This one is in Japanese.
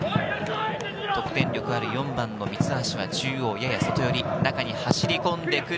得点力はある４番・三橋は中央やや外より、中に走り込んでくる。